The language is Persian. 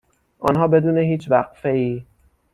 آنها بدون هیچ وقفهای